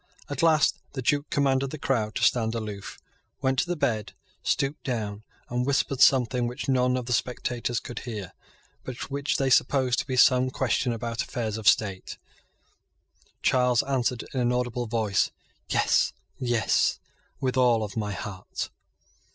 At last the Duke commanded the crowd to stand aloof, went to the bed, stooped down, and whispered something which none of the spectators could hear, but which they supposed to be some question about affairs of state. Charles answered in an audible voice, "Yes, yes, with all my heart."